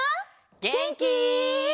げんき？